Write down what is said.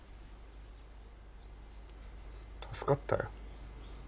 助かったよ